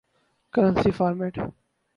currency format